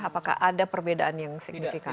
apakah ada perbedaan yang signifikan